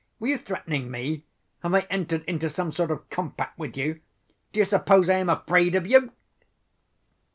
Were you threatening me? Have I entered into some sort of compact with you? Do you suppose I am afraid of you?"